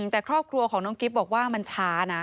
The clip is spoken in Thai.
แต่ครอบครัวของน้องกิ๊บบอกว่ามันช้านะ